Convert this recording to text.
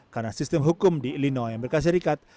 karena sistem hukum di illinois amerika serikat